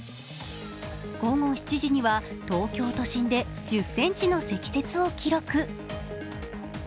午後７時には東京都心で１０ｃｍの積雪を記録。